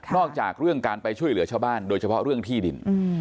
อกจากเรื่องการไปช่วยเหลือชาวบ้านโดยเฉพาะเรื่องที่ดิน